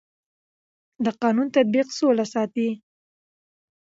د قانون تطبیق سوله ساتي